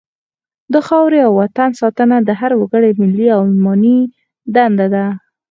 د خاورې او وطن ساتنه د هر وګړي ملي او ایماني دنده ده.